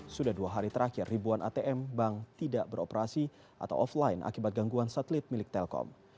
sudah dua hari terakhir ribuan atm bank tidak beroperasi atau offline akibat gangguan satelit milik telkom